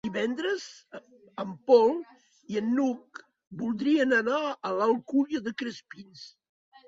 Divendres en Pol i n'Hug voldrien anar a l'Alcúdia de Crespins.